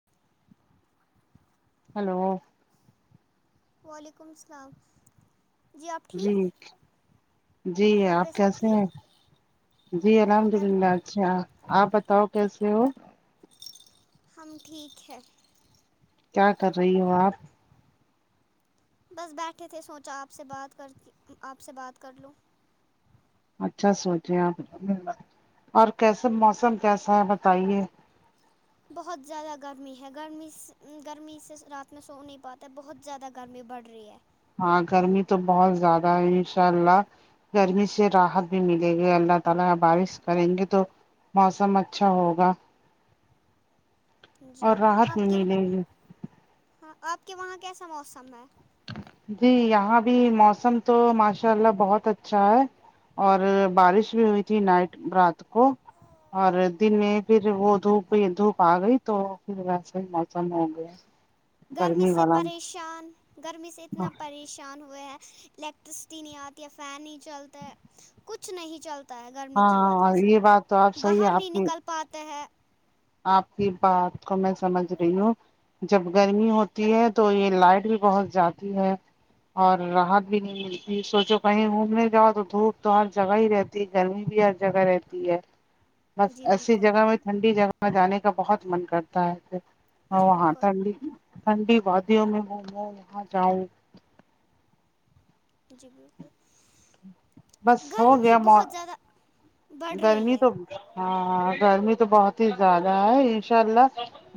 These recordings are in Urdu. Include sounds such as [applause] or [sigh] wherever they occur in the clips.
[inaudible] ہلو وعلیکم السلام آپ جی ٹھیک جی گھر آپ پہ سب کیسے ہیں ٹھیک جی الحمد گھر للہ اچھا آپ بتاؤ کیسے ہو ہم ٹھیک ہے کیا کر رہی ہو آپ بس بیٹھے تھے سوچا آپ سے بات کرتی آپ سے بات کرلوں اچھا سوچے آپ اور کیسے موسم کیسا ہے بتائیے بہت زیادہ گرمی ہے گرمی سے گرمی سے رات میں سو نہیں پاتا بہت زیادہ گرمی بڑھ رہی ہے ہاں گرمی تو بہت زیادہ ہے انشاء اللہ گرمی سے راحت بھی ملے گی اللہ تعالی بارش کریں گے تو موسم اچھا ہوگا جی اور راحت بھی آپ کے و ملے گی ہاں آپ کے وہاں کیسا موسم ہے جی یہاں بھی موسم تو ماشاء اللہ بہت اچھا ہے اور بارش بھی ہوئی تھی نائٹ رات کو اور دن میں پھر وہ دھوپ دھوپ آ گئی تو پھر ویسے ہی موسم ہو گیا گرمی سے پریشان گرمی سے ہاں اتنا پریشان ہو ئے ہیں الیکٹرسٹی نہیں آتی ہے فین نہیں چلتا ہے کچھ نہیں چلتا تا ہے گرمی کی ہاں وجہ اور سے یہ بات تو آپ صحیح ہے باہر آپ نہیں کی نکل پاتے ہیں آپ کی بات کو میں سمجھ رہی ہوں جب گرمی ہوتی ہے تو یہ لائٹ بھی بہت جاتی ہے اور راحت بھی نہیں ملتی سوچو کہیں گھومنے جاؤ تو دھوپ تو ہر جگہ ہی رہتی گرمی بھی ہر جگہ رہتی ہے بس جی ایسی بالکل جگہ میں ٹھنڈی جگہ میں جانے کا بہت من کرتا ہے پھر ہ جی وہاں بالکل ٹھنڈی ٹھنڈی وادیوں میں ہ وہاں جاؤں جی بالکل بس ہو گرمی گیا مو بہت زیادہ بڑھ رہی ہے ہاں ہاں گرمی تو بہت ہی زیادہ ہے انشاء اللہ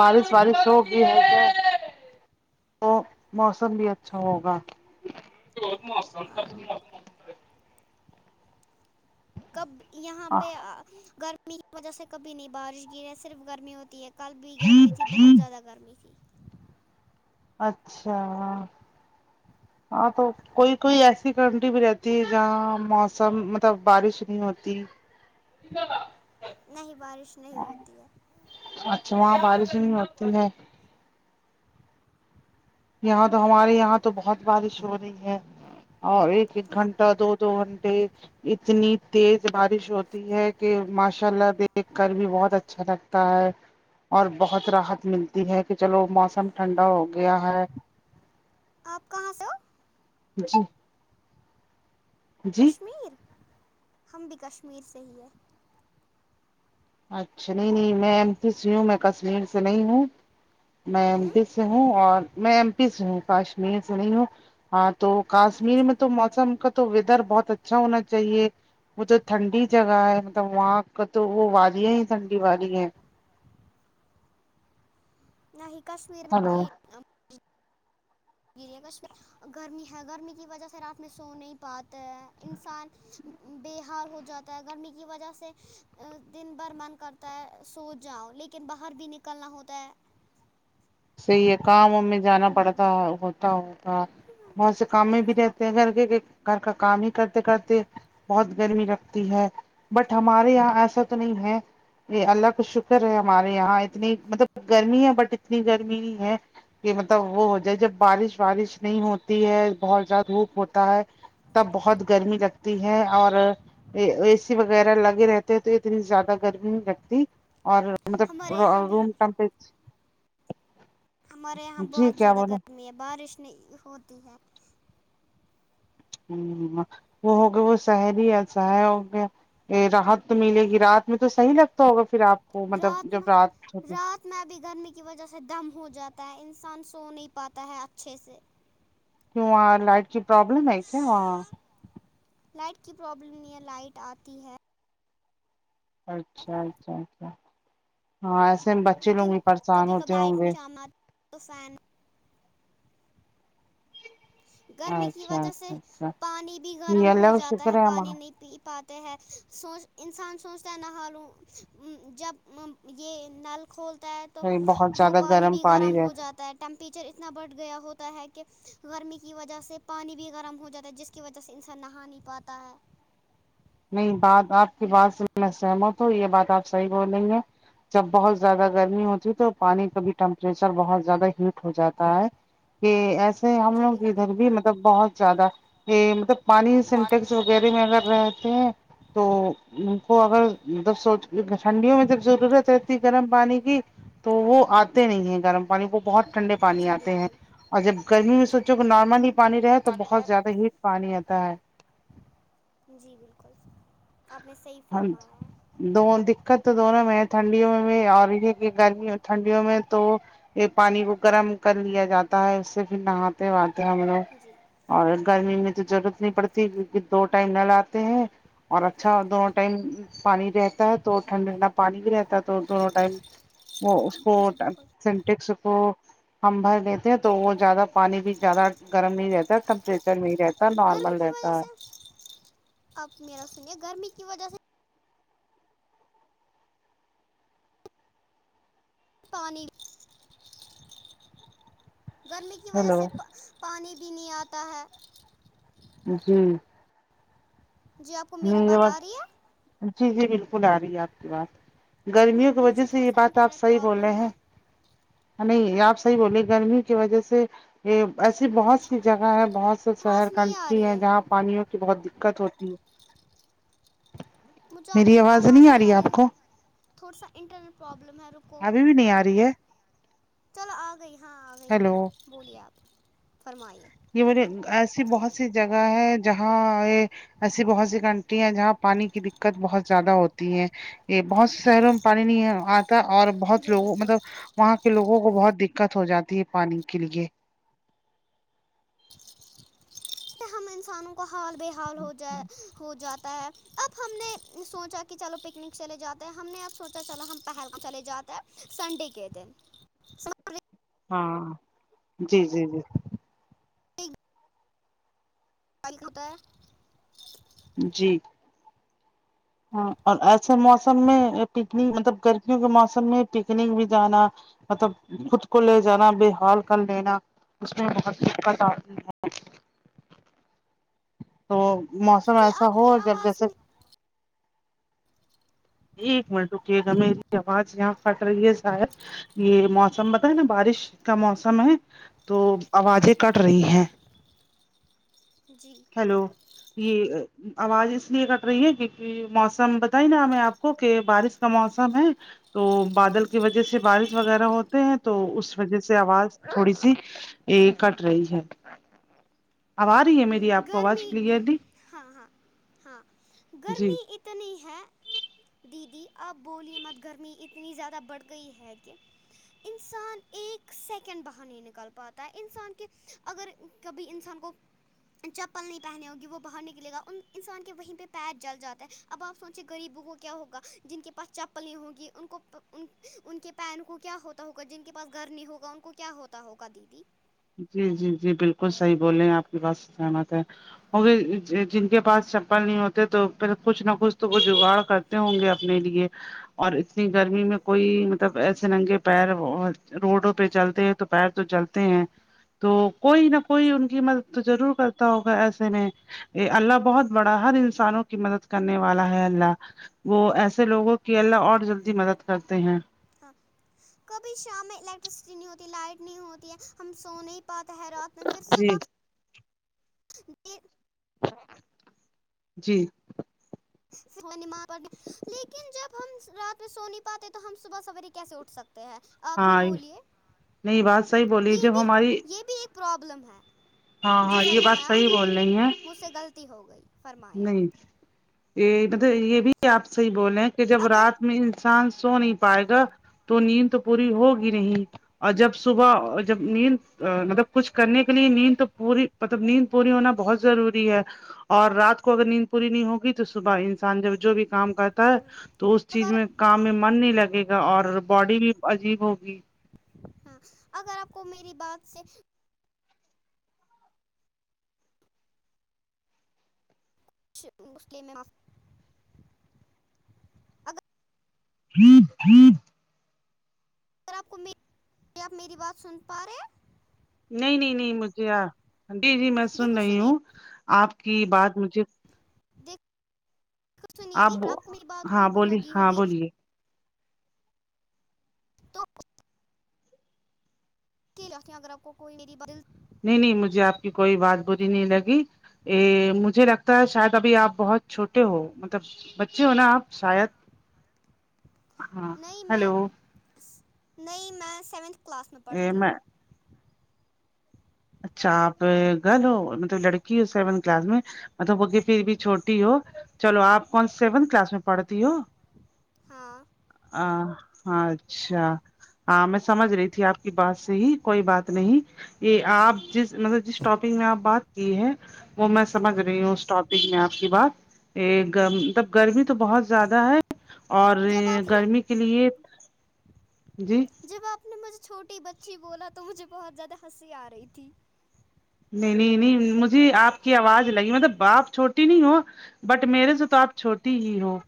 بارش وارش ہوگی [inaudible] تو موسم بھی اچھا ہوگا ہاں کب یہاں پہ گرمی کی وجہ سے کبھی نہیں بارش گرا ہے صرف گرمی ہوتی ہے کل بھی گرمی تھی بہت زیادہ گرمی تھی اچھا ہ ہاں تو کوئی کوئی ایسی کنٹری بھی رہتی ہے جہاں موسم مطلب بارش نہیں ہوتی جا نہیں بارش نہیں ہوتی ہے اچھا وہاں بارش نہیں لگتی ہے یہاں تو ہمارے یہاں تو بہت بارش ہو رہی ہے اور ایک ایک ہم گھنٹہ دو دو گنٹے اتنی تیز بارش ہوتی ہے کہ ماشاء اللہ دیکھ کر بھی بہت اچ اچھا لگتا ہے اور بہت راحت ملتی ہے کہ چلو موسم ٹھنڈا ہو گیا ہے آپ کہاں سے ہو جی جی کشمیر ہم بھی کشمیر سے ہی ہیں اچھا نہیں نہیں میں ایم سی سی ہوں میں کشمیر سے نہیں ہوں میں ایم ہوں پی سے ہوں اور میں ایم پی سے ہوں کاشمیر سے نہیں ہوں ہاں تو کاشمیر اچھا میں تو موسم کا تو ویدر بہت اچھا ہونا چاہیے وہ تو ٹھنڈی جگہ ہے مطلب وہاں کا تو وہ وادیاں ہی ٹھنڈی والی ہیں نہیں کشمیر میں ہ گ کش گرمی ہے گرمی کی وجہ سے رات میں سو نہیں پاتے ہے انسان بے حال ہو جاتا ہے گرمی کی وجہ سے دن بھر من کرتا ہے سو جاؤں لیکن لیکن باہر بھی نکلنا ہوتا ہے صحیح ہے کام وم میں جانا پڑتا ہوتا ہوتا بہت سے کام میں بھی رہتا کر کے کہ گھر کا کام ہی کرتے کرتے بہت گرمی لگتی ہے بٹ ہمارے یہاں ایسا تو نہیں ہے یہ اللہ کا شکر ہے ہمارے یہاں اتنی مطلب گرمی ہے بٹ اتنی گرمی ہی ہے کہ مطلب وہ ہو جائے جب بارش وارش نہیں ہوتی ہے بہت زیادہ دھوپ ہوتا ہے تب بہت گرمی لگتی ہے اور اے سی وغیرہ لگے رہتے ہیں تو اتنی زیادہ گرمی نہیں لگتی اور مطلب ہمارے یہاں بھی روم تمپر ہمارے یہاں جی بہت کیا زیادہ بولے گرمی ہے بارش نہیں ہوتی ہے ہ وہ ہوگیا وہ سہری س ہو گیا راحت تو ملے گی رات میں تو صحیح لگتا ہوگا پھر آپ کو مطلب جب رات اتنا بھی گرمی کی وجہ سے دم ہو جاتا ہے انسان سو نہیں پاتا ہے اچھے سے کا لائٹ کی پروبلم ہے کیا لائٹ کی پروابلم نہیں ہے لائٹ آتی ہے اچھا اچھا اچھا ہاں ایسے میں بچے لوگ لیکن گے پریشان کبھی کبھی ہوتے ہوں لائٹ نہیں گے شام آتی تو فین گرمی کی اچھا وجہ سے اچھا اچھا پانی بھی یہ گرم ہو اللہ کا جاتا شکر ہے پانی ہمارا نہیں پی پاتا ت ہے سوچ انسان سوچتا ہے نہ ہالوں جب یہ نل کھولتا ہے تو بہت وہ زیادہ پانی بھی گرم ہو رہتا جاتا ہے ٹیمپریچر اتنا بڑھ گیا ہوتا ہے کہ گرمی کی وجہ سے پانی بھی گرم ہو جاتا ہے جس کی وجہ سے انسان نہا نہیں پاتا ہے نہیں بات آپ کی بات سے میں سہمت ہوں یہ بات آپ صحیح بول رہی ہیں جب بہت زیادہ گرمی ہوتی ہے تو پانی کا بھی ٹیمپریچر بہت زیادہ ہیٹ ہو جاتا ہے کہ ایس ہم جی لوگ بالکل ادھر بھی مطلب بہت زیادہ یہ مطلب پانی سنٹیکس وغیرہ میں اگر رہ ھمم تو ان کو اگر سو ٹھنڈیوں میں جب ضرورت رہتی گرم پانی کی تو وہ آتے نہیں ہے گرم پانی وہ بہت ٹھنڈے پانی جی آتے ہیں بالکل اور جب گرمی میں جی سوچو کہ بالکل نارمل ہی پانی رہے تو پانی رہ بہت زیادہ ہیٹ پانی آتا ہے جی بالکل آپ نے صحیح فرمایا ہے دون دککت تو دونوں میں ہے ٹھنڈیوں میں اور یہ ہے کہ گرمی ٹھنڈیوں میں تو یہ پانی کو گرم کر لیا جاتا ہے اس سے پھر نہاتے وہا تے ہم لوگ جی اور گرمی میں تو ضرورت نہیں پڑتی کیونکہ دو ٹائم نہ لاتے ہیں اور اچھا دونوں ٹائم پانی رہتا ہے تو ٹھنڈا ٹھنڈا پانی بھی رہتا ہے تو دونوں ٹائم وہ اس کو جی بالکل سنٹیکس کو ہم بھر لیتے ہیں تو وہ زیادہ پانی بھی زیادہ گرم نہیں رہتا ہے ٹیمپریچر میں رہتا گرمی نارمل کی وجہ رہتا ہے سے آپ میرا سنیے گرمی کی وجہ سے پانی گرمی کی وجہ ہیلو سے پ پانی بھی نہیں آتا ہے جی جی آپ کو میری نہیں یہ بات آ رہی ہے جی جی بالکل آ رہی ہے آپ کی بات گرمیوں کی مجھ- وجہ مجھے سے تھوڑا یہ سا بات آپ انٹرنیٹ صحیح بول رہے پرابلم ہے ہیں نہیں آپ صحیح بولے گرمی کی وجہ سے یہ ایسی بہت سی جگہ ہے بہت سے شہر آواز نہیں آ کنٹری رہی ہیں ہے جہاں پانیوں کی بہت دککت ہوتی ہے مجھے آپ کی آواز نہیں آ رہی ہے تھوڑا سا انٹرنٹ پرابلم ہے رکو ابھی بھی نہیں آ رہی ہے چلو آ گئی ہاں آ گئی ہیلو بولو بولیے آپ فرمائیے یہ بڑے ایسی بہت سی جگہ ہے جہاں یہ ایسی بہت سی کنٹری ہیں جہاں پانی کی دککت بہت زیادہ ہوتی ہے یہ بہت سے شہروں میں پانی نہیں ہے آج اور بہت جی لوگوں بالکل مطلب وہاں کے لوگوں کو بہت دککت ہو جاتی ہے پانی کے لیے ہم انسانوں کا حال بے حال ہو جائے ہو جاتا ہے اب ہم نے سوںچا کہ چلو پکنک چلے جاتے ہے ہم نے اب سوںچا چلو ہم پہل چلے جاتے ہیں اب سنڈے کے دن ہاں جی جی جی [unintelligible] جی ہاں اور ایسے موسم میں پکنک مطلب گرمیوں کے موسم میں پکنک بھی جانا مطلب خود کو لے جانا بے حال کر لینا اس میں بہت دککت آتی ہے تو موسم جی ایسا آپ ہو کی جب آواز جیسے ایک منٹ رکیے گا میری آواز یہاں پھٹ رہی ہے شا ہد یہ موسم بتا ہے نا بارش کا موسم ہے تو آوازیں کٹ رہی ہیں جی و یہ آواز اس لیے کٹ رہی ہے کیونکہ موسم بتائی نا ہمیں آپ کہ بارش کا موسم ہے تو بادل کی وجہ سے بارش وغیرہ ہوتے ہیں تو اس وجہ سے آواز تھوڑی سی یہ کٹ رہی ہے اب آرہی ہے میری آپ کو آواز گرمی کلیئرلی ہاں ہاں ہاں جی گرمی اتنی ہے دیدی اب بولیے مت گرمی اتنی زیادہ بڑھ گئی ہے کہ انسان ایک سیکنڈ باہر نہیں نکل پاتا ہے انسان کے اگر کبھی انسان کو چپل نہیں پہنے ہوگی وہ باہر نکلے گا انسان کے وہیں پہ پیر جل جاتا ہے اب آپ سوںچیں غریبوں کو کیا ہوگا جن کے پاس چپل نہیں گی ان کے پیر کو کیا ہوتا ہوگا جن کے پس گھر نہیں ہوگا ان کو کیا ہوتا ہوگا دیدی جی جی جی بالکل صحیح بولے ہیں آپ کی بات سہمت ہے ہوگے جن کے پاس چپل نہیں ہوتے تو پھر کچھ نہ کچھ تو وہ جگاڑ کر تے ہوںگے اپنے لیے اور اتنی گرمی میں کوئی مطلب ایسے ننگے پیر روڈوں پہ چلتے ہیں تو پیر تو چلتے ہیں تو کوئی نہ کوئی جی ان کی مدد تو ضرور کرتا ہوگا ایسے میں ا اللہ بہت بڑا ہر انسانوں کی مدد کرنے والا ہے اللہ وہ ہوں ایسے لوگوں کی اللہ اور جلدی مدد کرتے ہیں ہاں کبھی شام میں الیکٹرسٹی نہیں ہوتی لائٹ نہیں ہوتی ہے ہم سو نہیں پاتے ہے رات میں پھر جی صبح [unintelligible] جی س لیکن جب ہم رات میں سو نہیں پاتے تو ہم صبح سویرے کیسے اٹھ سکتے ہیں آپ ہی ہاں بولیے نہیں بات صحیح بولی یہ جب بھی ہماری یہ بھی ایک پرابلم ہے ہاں جی ہاں یہ بات فرمایا صحیح بول رہی ہیں آپ مجھ سے غلطی ہو گئی فرمایا نہیں آپ یہ پتاہی یہ بھی آپ صحیح بولے ہیں کہ جب اگر رات میں انسان سو نہیں پائے گا تو نیند تو پوری ہوگی نہیں اور جب صبح جب نیند مطلب کچھ کرنے کے لیے نیند تو پوری مطلب نیند پوری ہونا بہت ضروری ہے اور رات کو اگر نیند پوری نہیں ہوگی تو صبح انسان جب جو بھی کام کرتا ہے ہاں تو اس چیز اگر میں کام میں من نہیں لگے گا اور باڈی بھی عجیب ہوگی ہاں اگر آپ کو میری بات سے [unintelligible] [inaudible] اگر آپ کو آپ میری بات سن پا رہے ہیں نہیں نہیں نہیں مجھے جی جی میں ہیں سن دیکھو رہی سنیے ہوں آپ کی بات مجھے سنی جی آپ کو میری بات کوئی ہاں بولی لگی ہاں ہوگی بولیے تو اس کی لکھیں اگر آپ کوئی مری بات نہیں نہیں مجھے آپ کی کوئی بات بری نہیں لگی ا مجھے لگتا ہے شاید ابھی آپ بہت چھوٹے ہو مطلب بچے ہو نا آپ شاید ہاں نہیں میں ہیلو نہیں میں سیونتھ کلاس میں پڑھتی ہوں اچھا آپ گل ہو مطلب لڑکی ہو سیونتھ کلاس میں مطلب وہ کہ پھر بھی چھوٹی ہو چلو آپ کون سیونتھ کلاس میں پڑھتی ہو ہاں آ ہ اچھا ہاں میں سمجھ رہی تھی آپ کی بات سے ہی کوئی بات نہیں یہ آپ جس مطلب جس ٹاپک میں آپ بات کی ہے وہ میں ہاں سمجھ رہی ہوں اس ٹاپک میں آپ کی بات گب گرمی تو بہت زیادہ ہے اور جب آپ نے گرمی کے لئے جی جب آپ نے مجھے چھوٹی بچی بولا تو مجھے بہت زیادہ ہنسی آ رہی تھی نہیں نہیں نہیں مجھے آپ کی آواز لگی مطلب باپ چھوٹی نہیں ہو بٹ میرے سے تو آپ چھوٹی ہی ہو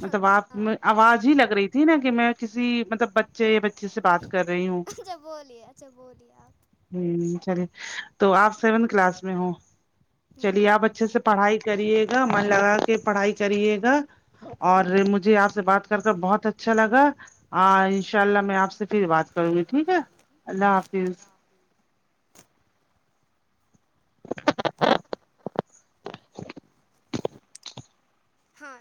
مطلب آپ ہاں میں آواز ہی لگ رہی تھی نا کہ میں کسی مطلب بچے یا بچی سے بات کر رہی ہوں اچھا بولیے اچھا بولیے آپ ہ چلیے تو آپ سیونتھ کلاس میں ہ جی چلیے آپ اچھے سے پڑھائی کرے گا من لگا کے پڑھائی کریے گا اور مجھے آپ سے بات کر کر بہت اچھا لگا ہاں انشاء اللہ میں آپ سے فیر بات کروں گی ٹھیک ہے اللہ حافظ ہاں